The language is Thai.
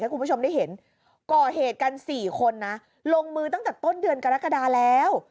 คุณผู้ชมได้เห็นก่อเหตุกัน๔คนนะลงมือตั้งแต่ต้นเดือนกรกฎาแล้ว